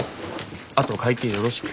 あと会計よろしく。